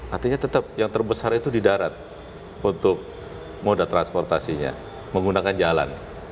artinya tetap yang terbesar itu di darat untuk moda transportasinya menggunakan jalan